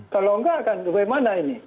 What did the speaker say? kalau enggak kan bagaimana ini